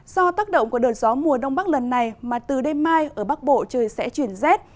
do tác động của đợt gió mùa đông bắc lần này mà từ đêm mai ở bắc bộ trời sẽ chuyển rét